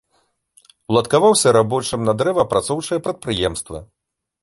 Уладкаваўся рабочым на дрэваапрацоўчае прадпрыемства.